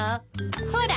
ほら。